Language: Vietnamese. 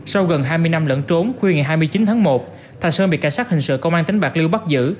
sau gần hai mươi năm lẫn trốn khuya ngày hai mươi chín tháng một thạch sơn bị cảnh sát hình sự công an tỉnh bạc liêu bắt giữ